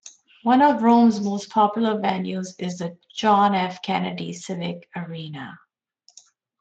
One of Rome's most popular venues is the John F. Kennedy Civic Arena.